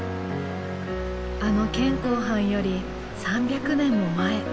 あの兼好はんより３００年も前。